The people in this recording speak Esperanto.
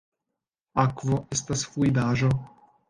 Akvo estas fluidaĵo.